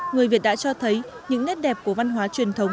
người việt đã cho thấy những nét đẹp của văn hóa truyền thống